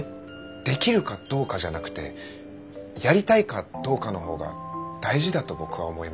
できるかどうかじゃなくてやりたいかどうかのほうが大事だと僕は思います。